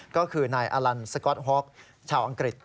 ก็คือนายอลันสก๊อตฮ็อกชาวอังกฤษ